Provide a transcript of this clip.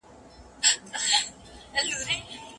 مدیتیشن د ذهن لپاره ښه دی.